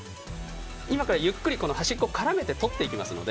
今からゆっくり端っこを絡めてとっていきますので。